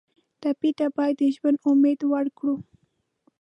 ټپي ته باید د ژوند امید ورکړو.